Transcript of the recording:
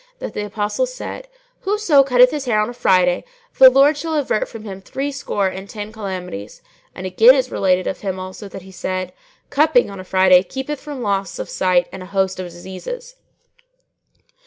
that the Apostle said, 'Whoso cutteth his hair on a Friday, the Lord shall avert from him threescore and ten calamities;' and again is related of him also that he said, 'Cupping on a Friday keepeth from loss of sight and a host of diseases.'"